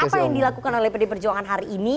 apa yang dilakukan oleh pdi perjuangan hari ini